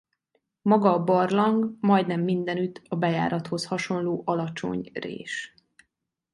Maga a barlang majdnem mindenütt a bejárathoz hasonló alacsony rés.